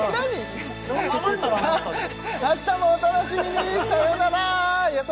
明日もお楽しみにさよならやさ